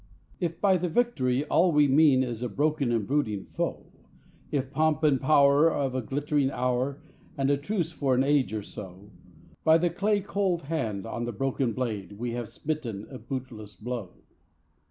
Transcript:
If by the Victory all we mean is a broken and brooding foe; Is the pomp and power of a glitt'ring hour, and a truce for an age or so: By the clay cold hand on the broken blade we have smitten a bootless blow!